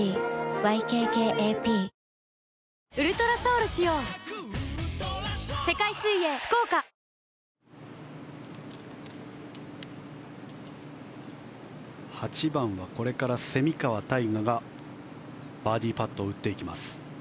ＹＫＫＡＰ８番はこれから蝉川泰果がバーディーパットを打っていきます。